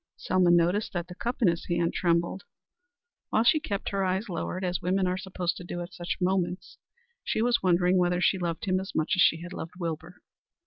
Selma noticed that the cup in his hand trembled. While she kept her eyes lowered, as women are supposed to do at such moments, she was wondering whether she loved him as much as she had loved Wilbur?